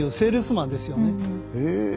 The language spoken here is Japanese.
へえ。